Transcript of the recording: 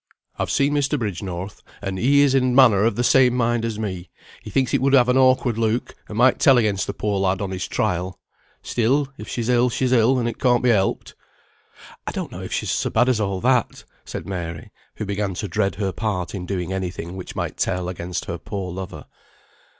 I've seen Mr. Bridgenorth, and he is in a manner of the same mind as me; he thinks it would have an awkward look, and might tell against the poor lad on his trial; still if she's ill she's ill, and it can't be helped." "I don't know if she's so bad as all that," said Mary, who began to dread her part in doing any thing which might tell against her poor lover.